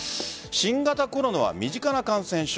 新型コロナは身近な感染症。